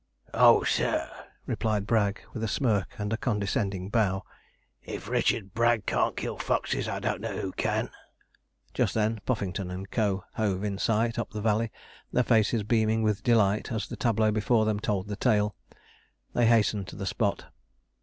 'Oh, sir,' replied Bragg, with a smirk and a condescending bow, 'if Richard Bragg can't kill foxes, I don't know who can.' Just then 'Puffington and Co.' hove in sight up the valley, their faces beaming with delight as the tableau before them told the tale. They hastened to the spot.